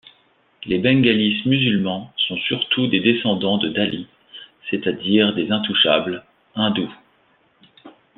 Les Bengalis Musulmans sont surtout des descendants de Dalits, c'est-à-dire des intouchables, Hindous.